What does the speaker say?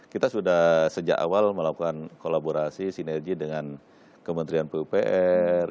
kita sudah sejak awal melakukan kolaborasi sinergi dengan kementerian pupr